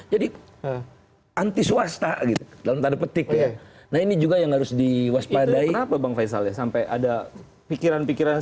lima ratus jadi anti swasta dalam tanda petik ya nah ini juga yang harus diwaspadai sampai ada pikiran pikiran